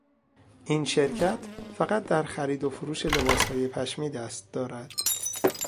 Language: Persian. این شرکت فقط در خرید و فروش لباسهای پشمی دست دارد.